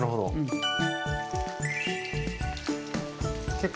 結構。